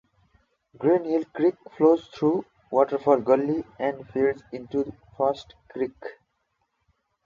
Greenhill Creek flows through Waterfall Gully and feeds into First Creek.